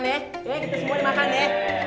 iya kita semua dimakan ya